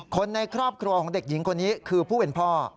คนในครอบครัวของเด็กหญิงคนนี้คือผู้เป็นพ่อ